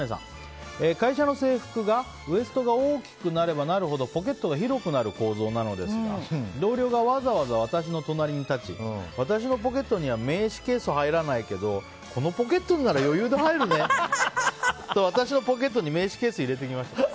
会社の制服がウエストが大きくなればなるほどポケットが広くなる構造なのですが同僚がわざわざ私の隣に立ち私のポケットには名刺ケース入らないけどこのポケットなら余裕で入るねと私のポケットに名刺ケースを入れてきました。